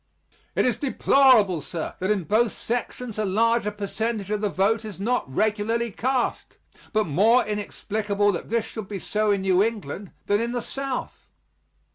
It is deplorable, sir, that in both sections a larger percentage of the vote is not regularly cast, but more inexplicable that this should be so in New England than in the South.